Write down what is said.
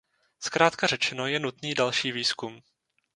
Zkrátka řečeno, je nutný další výzkum.